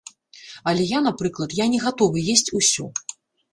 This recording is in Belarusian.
Але я, напрыклад, я не гатовы есць усё.